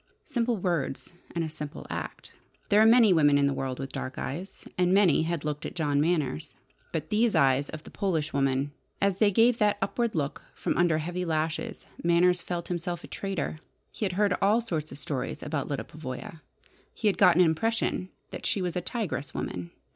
Simple words, and a simple act. There are many women in the world with dark eyes, and many had looked at John Manners. But these eyes of the Polish woman ! As they gave that upward look from under heavy lashes Manners felt himself a traitor. He had heard all sorts of stories about Lyda Pavoya. He had got an impression that she was a "tigress woman."